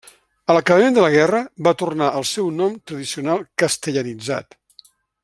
A l'acabament de la guerra, va tornar al seu nom tradicional castellanitzat.